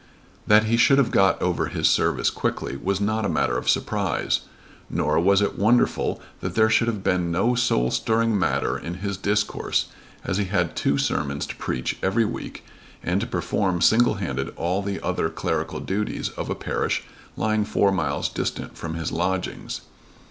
That he should have got over his service quickly was not a matter of surprise, nor was it wonderful that there should have been no soul stirring matter in his discourse as he had two sermons to preach every week and to perform single handed all the other clerical duties of a parish lying four miles distant from his lodgings.